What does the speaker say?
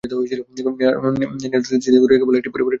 নেহরু স্মৃতি জাদুঘরে নাকি কেবল একটি পরিবারের কীর্তি তুলে ধরা হয়েছে।